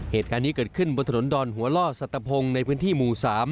เหตุการณ์นี้เกิดขึ้นบนถนนดอนหัวล่อสัตวพงศ์ในพื้นที่หมู่๓